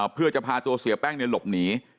เพื่อจะพาตัวเสียแป้งในหลบหนี